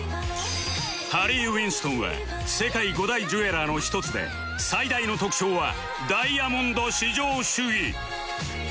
ハリー・ウィンストンは世界５大ジュエラーの１つで最大の特徴はダイヤモンド至上主義